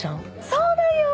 そうだよ！